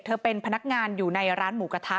เป็นพนักงานอยู่ในร้านหมูกระทะ